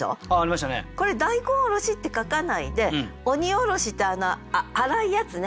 これ「大根おろし」って書かないで鬼おろしって粗いやつね